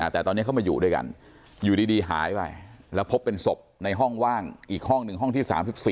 แต่ตอนนี้เขามาอยู่ด้วยกันอยู่ดีหายไปแล้วพบเป็นศพในห้องว่างอีกห้องหนึ่งห้องที่๓๔